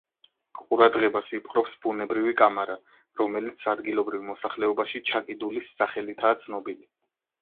ყურადღებას იპყრობს ბუნებრივი კამარა, რომელიც ადგილობრივ მოსახლეობაში „ჩაკიდულის“ სახელითაა ცნობილი.